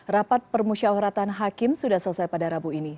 rapat permusyawaratan hakim sudah selesai pada rabu ini